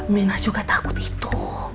minah juga takut itu